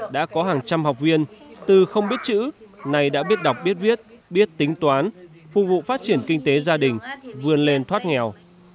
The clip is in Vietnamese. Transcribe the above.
đã có hàng trăm học viên từ không biết chữ nay đã biết đọc biết viết biết tính toán phục vụ phát triển kinh tế gia đình vươn lên thoát nghèo